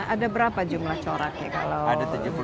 ada berapa jumlah coraknya kalau